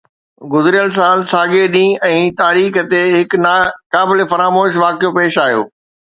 گذريل سال ساڳئي ڏينهن ۽ تاريخ تي هڪ ناقابل فراموش واقعو پيش آيو